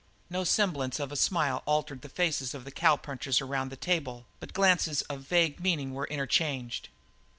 No semblance of a smile altered the faces of the cowpunchers around the table, but glances of vague meaning were interchanged.